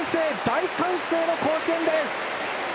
大歓声の甲子園！